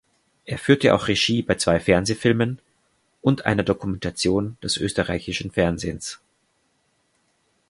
Er führte auch Regie bei zwei Fernsehfilmen und einer Dokumentation des österreichischen Fernsehens.